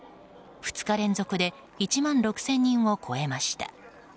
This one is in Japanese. ２日連続で１万６０００人を超えました。